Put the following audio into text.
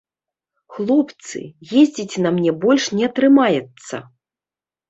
Хлопцы, ездзіць на мне больш не атрымаецца!